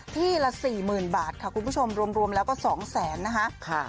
ที่ละ๔๐๐๐บาทค่ะคุณผู้ชมรวมแล้วก็๒แสนนะคะ